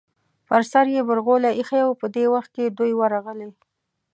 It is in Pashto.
پر سر یې برغولی ایښی و، په دې وخت کې دوی ورغلې.